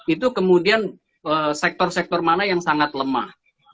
itu kemudian sektor sektor mana yang sangat lemah